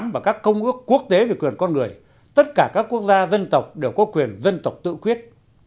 và các công ước quốc tế về quyền con người tất cả các quốc gia dân tộc đều có quyền dân tộc tự quyết